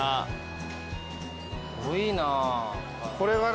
すごいな。